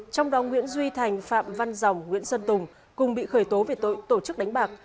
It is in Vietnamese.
trong đó nguyễn duy thành phạm văn rồng nguyễn xuân tùng cùng bị khởi tố về tội tổ chức đánh bạc